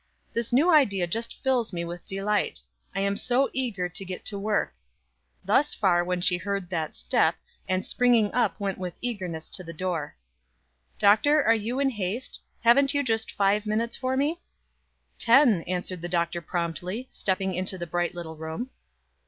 This new idea just fills me with delight. I am so eager to get to work " Thus far when she heard that step, and springing up went with eagerness to the door. "Doctor, are you in haste? Haven't you just five minutes for me?" "Ten," answered the Doctor promptly, stepping into the bright little room.